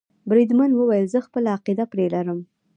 بریدمن وویل زه خپله عقیده پرې لرم.